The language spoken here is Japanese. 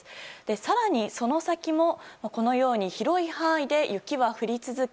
更にその先もこのように広い範囲で雪は降り続け